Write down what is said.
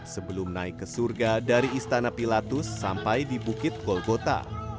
sebelum naik ke surga dari istana pilatus sampai di bukit golgota